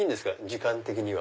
時間的には。